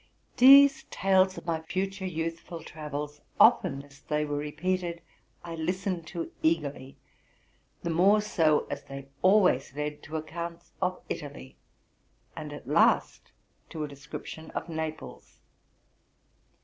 These tales of my future youthful travels, often as they were repeated, I listened to eagerly, the more so as they always led to accounts of Italy, and at last to a description of Naples.